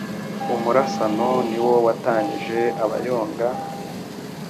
Umurasano ni wo watanyije Abayonga,